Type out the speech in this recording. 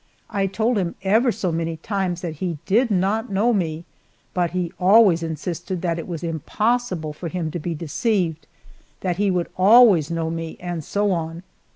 I told him ever so many times that he did not know me, but he always insisted that it was impossible for him to be deceived, that he would always know me, and so on.